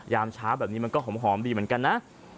ยามเช้าแบบนี้มันก็หอมดีเหมือนกันนะ